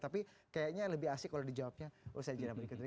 tapi kayaknya lebih asik kalau dijawabnya usai jalan berikut ini